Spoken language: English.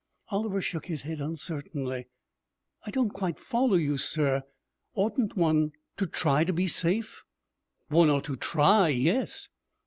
Oliver shook his head uncertainly. 'I don't quite follow you, sir. Oughtn't one to try to be safe?' 'One ought to try, yes.